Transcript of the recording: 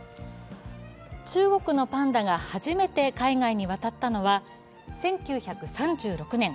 中国のパンダが初めて海外に渡ったのは１９３６年。